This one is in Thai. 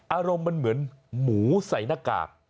อารมณ์มันเหมือนหมูใส่หน้ากาก